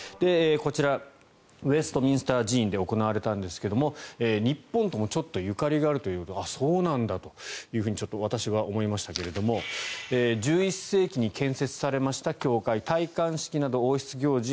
こちらウェストミンスター寺院で行われたんですが日本ともちょっとゆかりがあるというあ、そうなんだというふうに私は思いましたけれども１１世紀に建設されました教会戴冠式など王室行事